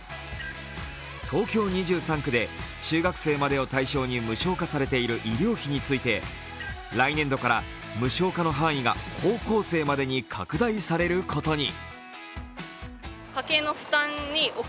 東京２３区で中学生までを対象に無償化されている医療費について来年度から無償化の範囲が高校生までに拡大されることに。